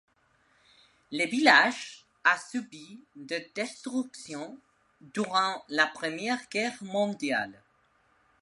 Le village a subi des destructions durant la Première Guerre mondiale.